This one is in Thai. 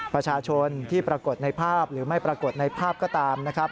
ประชาชนที่ปรากฏในภาพหรือไม่ปรากฏในภาพก็ตามนะครับ